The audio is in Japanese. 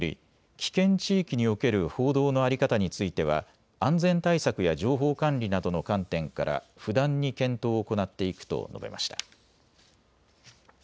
危険地域における報道の在り方については安全対策や情報管理などの観点から不断に検討を行っていくと述べました。